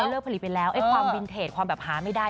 เขาเลือกผลิตไปแล้วความบินเทจความหาไม่ได้